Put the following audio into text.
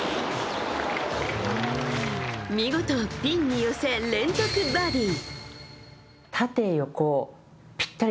見事、ピンに寄せ連続バーディー。